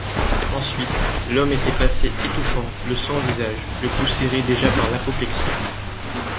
Ensuite Lhomme était passé, étouffant, le sang au visage, le cou serré déjà par l'apoplexie.